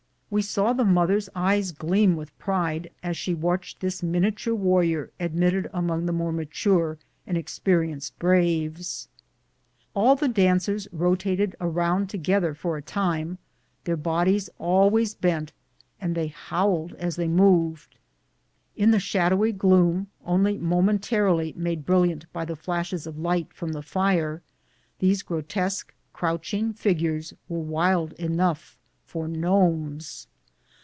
We saw the mother's eyes gleam with pride as she watched this miniature warrior admitted among the mature and experienced braves. All the dancers rotated around together for a time, their bodies always bent, and they howled as they moved. In the shadowy gloom, only momentarily made brilliant by the flashes of light from the fire, these grotesque, crouching figures were wild enough for gnomes.